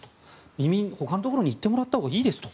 移民、他のところに行ってもらったほうがいいですと。